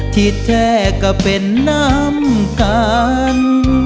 ที่แท้ก็เป็นน้ำกัน